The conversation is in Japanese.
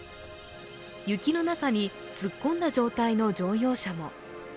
雪の中に突っ込んだ状態の乗用車も。